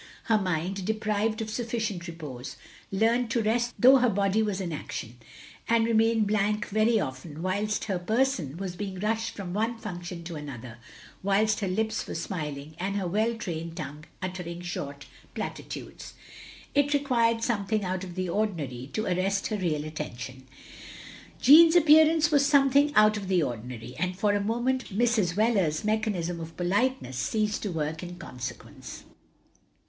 Her mind, deprived of sufficient repose, learnt to rest though her body was in action; and re mained blank, very often, whilst her person was being rushed from one function to another, whilst her lips were smiling, and her well trained tongue uttering short platitudes. It required something out of the ordinary to arrest her real attention. Jeanne's appearance was something out of the ordinary, and for a moment Mrs. Wheler's mechanism of politeness ceased to work in consequence.